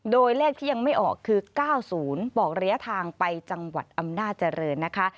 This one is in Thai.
โดยเลขที่ยังไม่ออกคือ๙๐บอกระยะทางไปจังหวัดอำนาจริงนะคะ